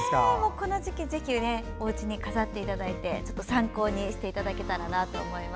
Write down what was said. この時期ぜひおうちに飾っていただいて参考にしていただけたらなと思います。